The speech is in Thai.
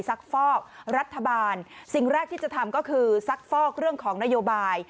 ซักฟอกรัฐบาลสิ่งแรกที่จะทำก็คือซักฟอกเรื่องของนโยบาย